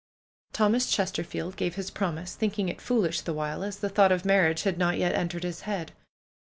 Thomas Chesterfield gave his promise, thinking it foolish the while, as the thought of marriage had not yet entered his head.